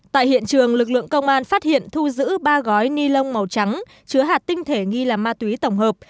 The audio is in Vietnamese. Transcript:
tại hiện trường lực lượng công an phát hiện thu giữ ba gói ni lông màu trắng chứa hạt tinh thể nghi là ma túy tổng hợp